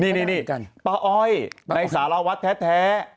นี่ป้าอ้อยในสารวัฒน์แท้